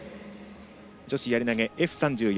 女子やり投げＦ３４